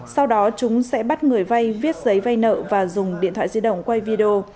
sau đó chúng sẽ bắt người vay viết giấy vay nợ và dùng điện thoại di động quay video